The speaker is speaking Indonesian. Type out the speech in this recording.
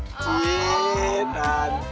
begitu suka saya jadi truth